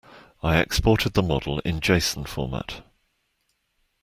I exported the model in json format.